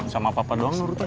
sama papa doang nurutnya